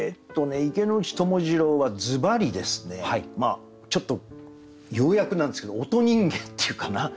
池内友次郎はずばりですねちょっと要約なんですけど音人間っていうかな？